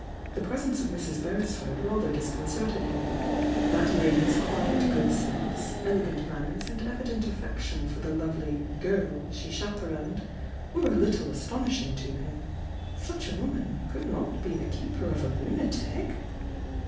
The presence of Mrs. Beresford rather disconcerted him,— that lady's quiet good sense, ele gant manners and evident affection for the lovely "girl" she chaperoned, were a little astonishing to him. Such a woman could not be the keeper of a lunatic?